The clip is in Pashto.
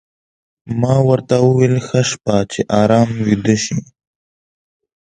ما ورته وویل: ښه شپه، چې ارام ویده شې.